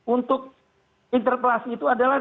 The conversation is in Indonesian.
untuk interpelasi itu adalah